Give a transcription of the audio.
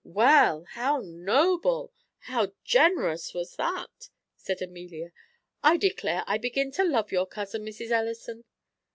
"Well! how noble, how generous was that!" said Amelia. "I declare I begin to love your cousin, Mrs. Ellison."